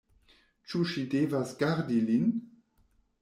Ĉu ŝi devas gardi lin?